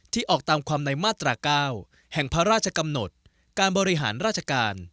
ออกตามความในมาตรา๙แห่งพระราชกำหนดการบริหารราชการ